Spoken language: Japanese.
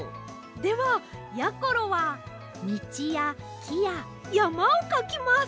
ではやころはみちやきややまをかきます！